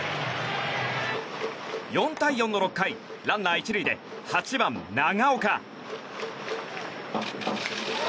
４対４の６回ランナー１塁で８番、長岡。